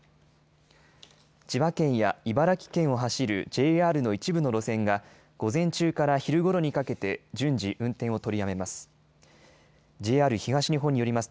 千葉県や茨城県を走るＪＲの一部の路線が午前中から昼ごろにかけて順次、運転を取りやめます。